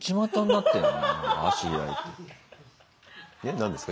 何ですか？